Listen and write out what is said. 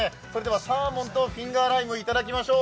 サーモンとフィンガーライム、いただきましょう。